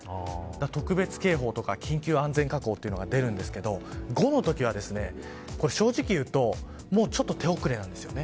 特別警報とか緊急安全確保が出るんですけど５の時は、正直にいうとちょっと手遅れなんです。